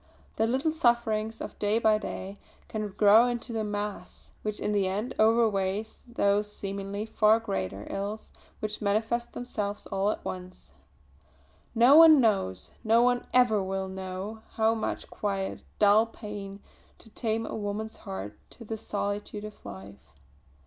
The little sufferings of day by day can grow into a mass which in the end outweighs those seemingly far greater ills which manifest themselves all at once. No one knows, no one ever will know, how much quiet, dull pain goes to tame a woman's heart to the solitude of life.